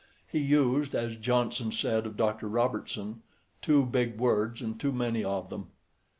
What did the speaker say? He used, as Johnson said of Dr. Robertson, "too big words and too many of them."